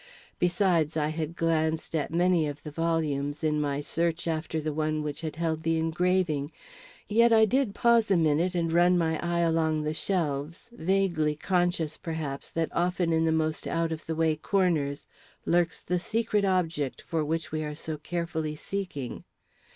Besides, I had glanced at many of the volumes, in my search after the one which had held the engraving. Yet I did pause a minute and run my eye along the shelves, vaguely conscious, perhaps, that often in the most out of the way corners lurks the secret object for which we are so carefully seeking.